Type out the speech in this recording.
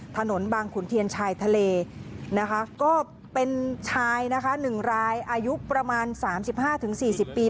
บางขุนเทียนชายทะเลนะคะก็เป็นชายนะคะ๑รายอายุประมาณ๓๕๔๐ปี